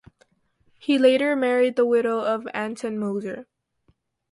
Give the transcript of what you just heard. He later married the widow of Anton Moser.